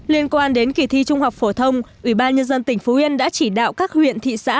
liên quan đến kỳ thi trung học phổ thông ủy ban nhân dân tỉnh phú yên đã chỉ đạo các huyện thị xã